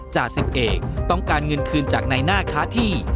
จ่าสิบเอกต้องการเงินคืนจากในหน้าค้าที่